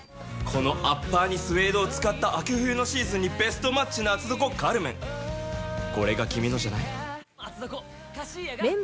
このアッパーにスエードを使った、秋冬のシーズンにベストマッチな厚底、カルメン。